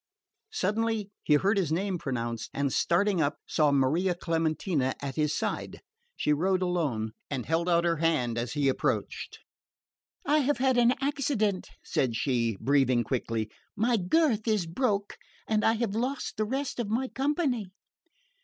Suddenly he heard his name pronounced and starting up saw Maria Clementina at his side. She rode alone, and held out her hand as he approached. "I have had an accident," said she, breathing quickly. "My girth is broke and I have lost the rest of my company."